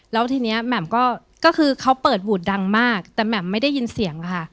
แล้วทีนี้แหม่มก็คือเขาเปิดบูดดังมากแต่แหม่มไม่ได้ยินเสียงค่ะ